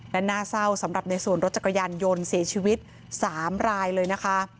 และน่าเศร้าสำหรับในส่วนรถจักรยานยนต์เสียชีวิต๓รายเลยนะคะ